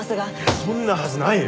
そんなはずないよ。